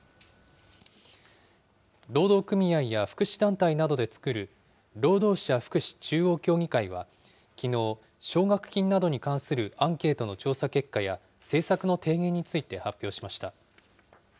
労働組合や福祉団体などで作る労働者福祉中央協議会はきのう、奨学金などに関するアンケートの調査結果や、政策の提言について発表しました。